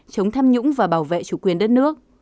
chống tham nhũng và bảo vệ chủ quyền đất nước